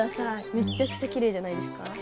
めっちゃくちゃきれいじゃないですか？